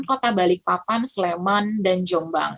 kota balikpapan sleman dan jombang